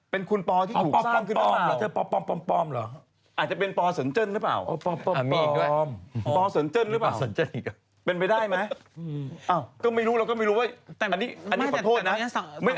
เป็นคุณปอร์ที่ถูกสร้างขึ้นหรือเปล่าอ๋อปอร์ปอร์ปอร์ปอร์ปอร์หรือ